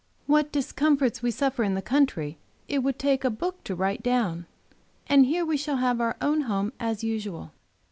What discomforts we suffer in the country it would take a book to write down, and here we shall have our own home, as usual.